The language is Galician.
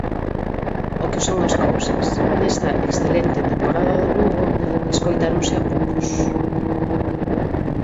O que son as cousas, nesta excelente temporada do Lugo escoitáronse apupos.